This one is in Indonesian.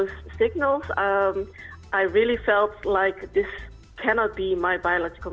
saya merasa bahwa ini tidak bisa menjadi ibu biologi saya